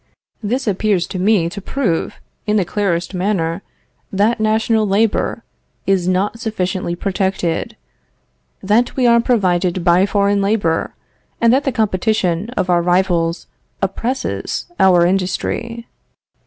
This appears to me to prove, in the clearest manner, that national labor is not sufficiently protected, that we are provided by foreign labor, and that the competition of our rivals oppresses our industry.